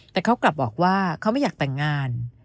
แต่เขากลับบอกว่าเขาไม่อยากแต่งงาน